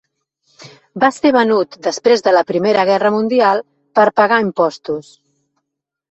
Va ser venut després de la primera Guerra Mundial per pagar impostos.